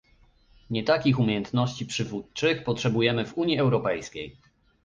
Nie takich umiejętności przywódczych potrzebujemy w Unii Europejskiej